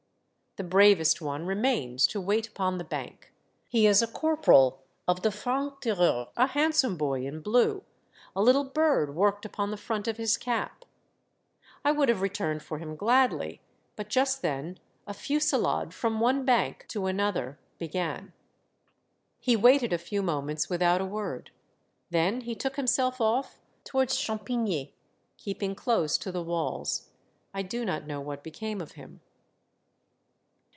The bravest one remains to wait upon the bank. He is a corporal of the franc tireurs, a handsome boy in blue, a little bird worked upon the front of his cap. I would have returned for him gladly, but just then a fusil lade from one bank to another began. He waited a few moments without a word ; then he took him self off towards Champigny, keeping close to the walls. I do not know what became of him.